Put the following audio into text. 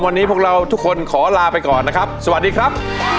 วันนี้พวกเราทุกคนขอลาไปก่อนนะครับสวัสดีครับ